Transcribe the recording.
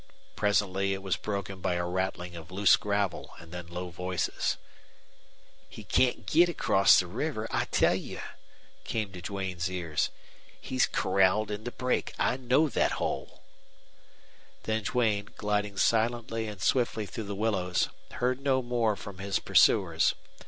Presently it was broken by a rattling of loose gravel and then low voices. "He can't git across the river, I tell you," came to Duane's ears. "He's corralled in the brake. I know thet hole." Then Duane, gliding silently and swiftly through the willows, heard no more from his pursuers.